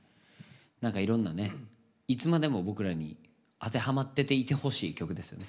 何かいろんなねいつまでも僕らに当てはまってていてほしい曲ですよね。